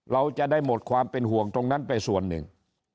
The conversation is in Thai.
เราจะได้หมดความเป็นห่วงตรงนั้นไปส่วนหนึ่ง